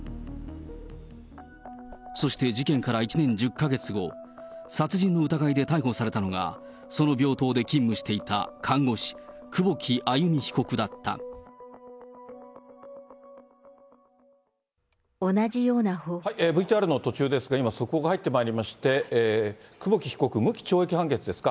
そして事件から１年１０か月後、殺人の疑いで逮捕されたのが、その病棟で勤務していた看護師、ＶＴＲの途中ですが、今、速報が入ってまいりまして、久保木被告、無期懲役判決ですか。